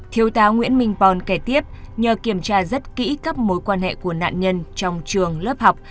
thiếu tá nguyễn minh pon kể tiếp nhờ kiểm tra rất kỹ các mối quan hệ của nạn nhân trong trường lớp học